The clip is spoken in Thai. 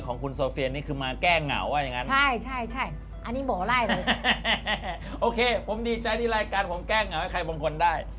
โอเคผมดีใจที่รายการจัดแก้เหงาให้ใครบำคลได้